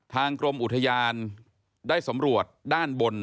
กรมอุทยานได้สำรวจด้านบน